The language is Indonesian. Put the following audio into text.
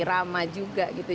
sama juga gitu